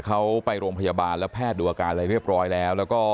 เขาไปโรงพยาบาลแล้วแพทย์ดูอาการอะไรเรียบร้อยแล้วแล้วก็